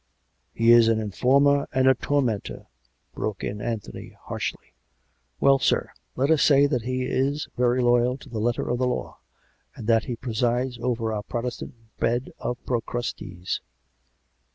" He is an informer and a tormentor !" broke in An thony harshly. " Well, sir ; let us say that he is very loyal to the letter of the law; and that he presides over our Protestant bed of Procrustes."